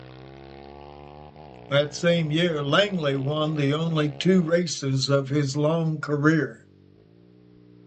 That same year Langley won the only two races of his long career.